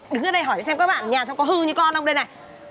đứng ở đây hỏi xem các bạn ở nhà sao có hư như con không đây này